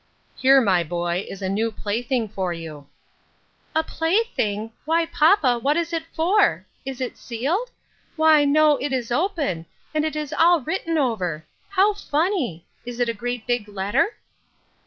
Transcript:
" Here, my boy, is a new plaything for you." " A plaything ! Why, papa, what is it for ? Is it sealed ? Why, no, it is open, and it is all written over. How funny ! Is it a great big letter